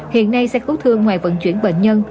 hiện nay xe cứu thương ngoài vận chuyển bệnh nhân